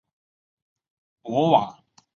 博瓦德马尔克。